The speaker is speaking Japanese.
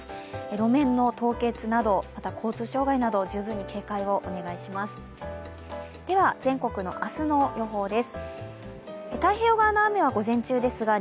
路面の凍結など、また交通障害など十分に警戒をお願いします。